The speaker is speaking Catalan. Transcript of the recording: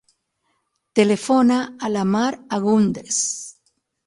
Telefona a la Mar Agundez.